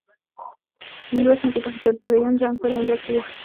د میرویس نیکه څخه تر دریم جنګ پورې همداسې وه.